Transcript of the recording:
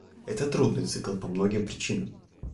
Это трудный цикл по многим причинам.